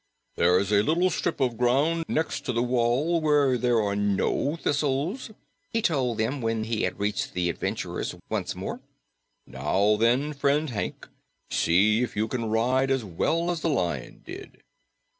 "There's a little strip of ground next the wall where there are no thistles," he told them when he had reached the adventurers once more. "Now then, friend Hank, see if you can ride as well as the Lion did."